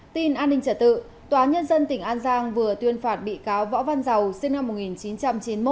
tin an ninh trả tự tòa nhân dân tỉnh an giang vừa tuyên phạt bị cáo võ văn giàu sinh năm một nghìn chín trăm chín mươi một